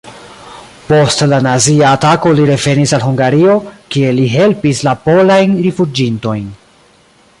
Post la nazia atako li revenis al Hungario, kie li helpis la polajn rifuĝintojn.